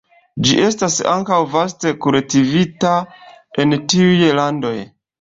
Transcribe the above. Ĝi estas ankaŭ vaste kultivita en tiuj landoj.